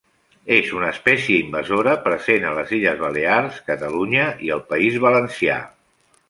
És una espècie invasora present a les illes Balears, Catalunya i el País Valencià.